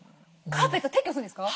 カーペット撤去するんですか？